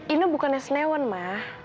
ino bukannya senewan ma